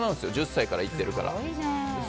１０歳から行っているから。